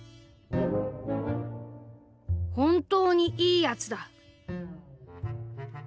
「本当に『いいやつ』だ」。